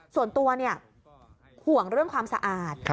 ส่วนตัวห่วงเรื่องความสะอาด